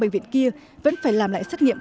bệnh viện kia vẫn phải làm lại xét nghiệm